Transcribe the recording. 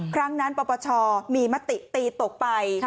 ครั้งนั้นปปชมีมติตีตกไป